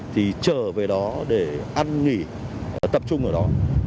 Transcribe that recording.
thì trở về đó để ăn nghỉ tập trung ở đó